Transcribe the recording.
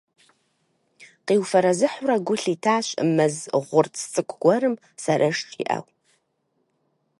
Къиуфэрэзыхьурэ гу лъитащ мэз гъурц цӀыкӀу гуэрым сэрэш иӀэу.